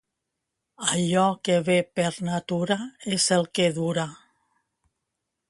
Allò que ve per natura és el que dura.